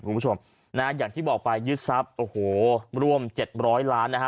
คุณผู้ชมนะฮะอย่างที่บอกไปยึดทรัพย์โอ้โหร่วมเจ็ดร้อยล้านนะฮะ